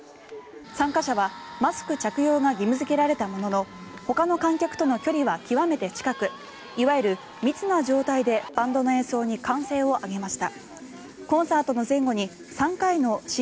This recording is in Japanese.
参加者はマスク着用が義務付けられたもののほかの観客との距離は極めて近くいわゆる密な状態でバンドの演奏に歓声を上げました。